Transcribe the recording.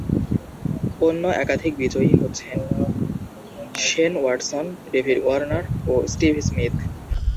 অন্য একাধিক বিজয়ী হচ্ছেন শেন ওয়াটসন, ডেভিড ওয়ার্নার ও স্টিভ স্মিথ।